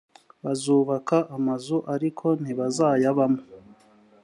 bazubaka amazu ariko ntibazayabamo